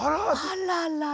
あららら。